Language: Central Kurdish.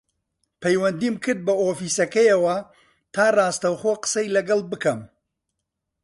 پەیوەندیم کرد بە ئۆفیسەکەیەوە تا ڕاستەوخۆ قسەی لەگەڵ بکەم